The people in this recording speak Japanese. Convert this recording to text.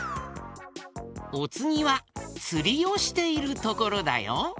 おつぎはつりをしているところだよ。